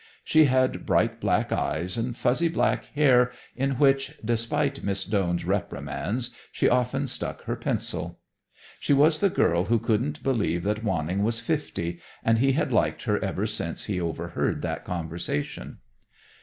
She had bright black eyes and fuzzy black hair in which, despite Miss Doane's reprimands, she often stuck her pencil. She was the girl who couldn't believe that Wanning was fifty, and he had liked her ever since he overheard that conversation.